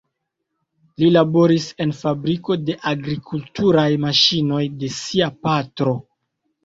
Li laboris en fabriko de agrikulturaj maŝinoj de sia patro.